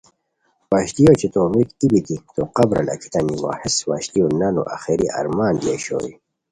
وشلیو اوچے تو میک ای بیتی تو قبرہ لاکھیتانی وا ہیس وشلیو نانو آخری ارمان دی اوشوئے